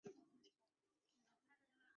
山东半岛属暖温带湿润季风气候。